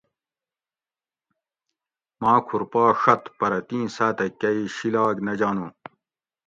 ماں کھور پا ڛت پرہ تیں ساتہ کئ شیلاگ نہ جانو